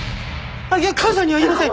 いや母さんには言いません！